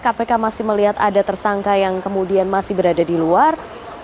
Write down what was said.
kpk masih melihat ada tersangka yang kemudian masih berada di luar